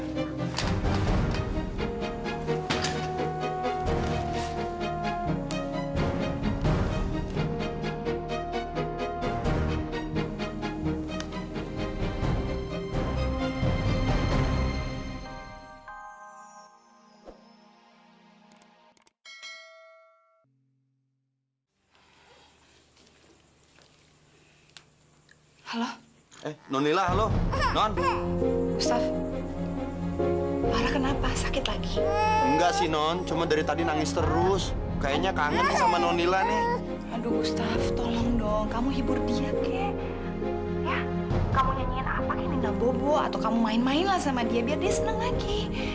ya kamu nyanyiin apa ke ninda bobo atau kamu main main lah sama dia biar dia seneng lagi